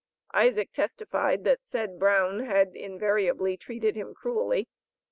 Isaac testified that said Brown had invariably treated him cruelly.